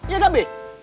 iya gak be